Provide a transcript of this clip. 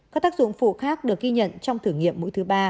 các tác dụng phụ khác được ghi nhận trong thử nghiệm mũi thứ ba